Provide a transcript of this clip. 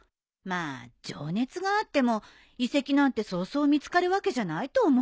まあ情熱があっても遺跡なんてそうそう見つかるわけじゃないと思うけど。